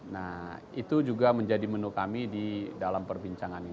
nah itu juga menjadi menu kami di dalam perbincangan ini